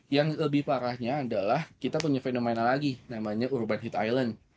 yang lebih parahnya adalah kita punya fenomena lagi namanya urban hit island